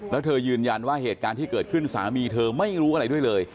แล้วเธอยืนยันว่าเหตุการณ์ที่เกิดขึ้นสามีเธอไม่รู้อะไรด้วยเลย